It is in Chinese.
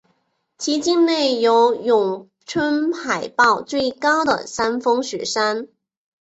其境内有永春海报最高的山峰雪山。